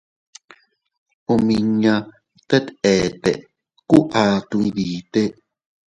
Omiña tet eete ku ato iydite.